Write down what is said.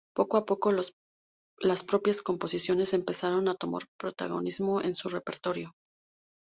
Poco a poco, las propias composiciones empezaron a tomar protagonismo en su repertorio.